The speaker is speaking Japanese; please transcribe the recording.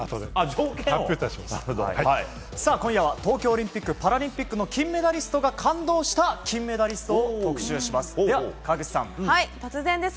今夜は東京オリンピック・パラリンピックの金メダリストが感動した金メダリストを特集します。